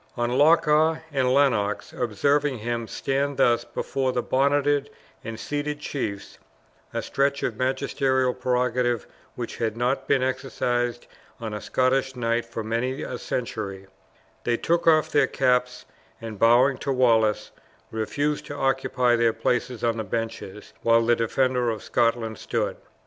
On Loch awe and Lennox observing him stand thus before the bonneted and seated chiefs (a stretch of magisterial prerogative which had not been exercised on a Scottish knight for many a century), they took off their caps and bowing to Wallace, refused to occupy their places on the benches while the defender of Scotland stood.